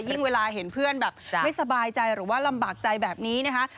เวลาเห็นเพื่อนแบบไม่สบายใจหรือว่าลำบากใจแบบนี้นะคะ